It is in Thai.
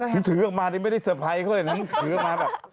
หนึ่งถือออกมาดิไม่ได้สะพายเขาเลยหนึ่งถือออกมาแบบ